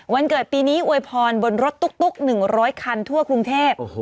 เกิดปีนี้อวยพรบนรถตุ๊ก๑๐๐คันทั่วกรุงเทพ